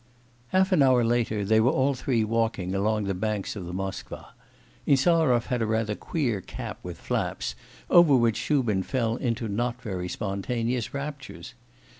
Half an hour later they were all three walking along the bank of the Moskva. Insarov had a rather queer cap with flaps, over which Shubin fell into not very spontaneous raptures.